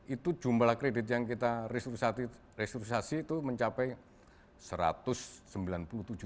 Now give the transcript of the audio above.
itu jumlah kredit yang kita restrukturisasi itu mencapai rp satu ratus sembilan puluh tujuh juta